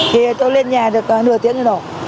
thì tôi lên nhà được nửa tiếng rồi đổ